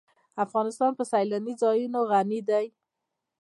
افغانستان په سیلانی ځایونه غني دی.